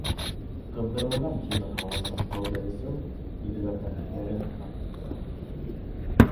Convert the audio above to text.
Ҡыҙҙырылған тимер һалынған һыуҙы эсеү ирҙәрҙең кәрен арттыра.